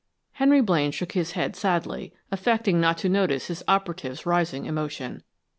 Henry Blaine shook his head sadly, affecting not to notice his operative's rising emotion.